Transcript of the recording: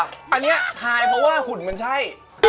อันนี้ทายเพราะว่าหุ่นมันใช่